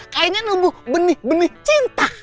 kayanya nunggu benih benih cinta